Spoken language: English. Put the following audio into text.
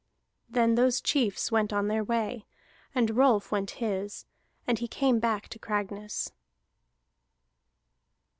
Then those chiefs went their way, and Rolf went his, and he came back to Cragness.